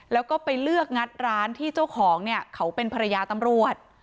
แล้วก็ไปเลือกงัดร้านที่เจ้าของเนี่ยเขาเป็นภรรยาตำรวจ